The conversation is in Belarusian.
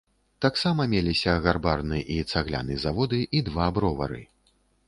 Таксама меліся гарбарны і цагляны заводы і два бровары.